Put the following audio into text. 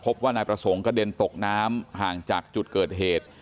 พบว่านายประสงค์กระเด็นตกน้ำห่างจากจุดเกิดเหตุ